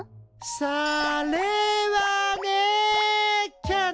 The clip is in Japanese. それはね。